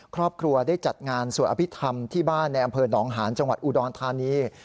ครอบครัวได้จัดงานสวดอภิษฐรรมที่บ้านในอำเภอหนองหาญจังหวัดอุดรธานี